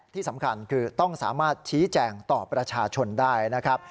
ที่สำคัญคือต้องสามารถชี้แจงต่อประชาชนได้นะครับ